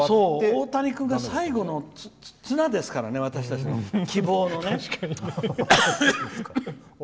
大谷君が最後の綱ですから私たちの希望の。